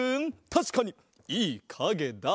たしかにいいかげだ！